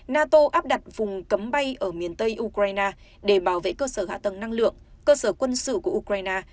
nato áp đặt vùng cấm bay ở miền tây ukraine để bảo vệ cơ sở hạ tầng năng lượng cơ sở quân sự của ukraine